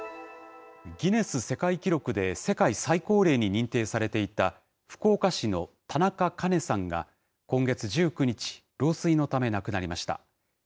ギネス世界記録で世界最高齢に認定されていた福岡市の田中カ子さんが、今月１９日、老衰のため亡くなりました。